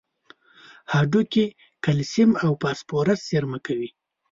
هډوکي کلسیم او فاسفورس زیرمه کوي.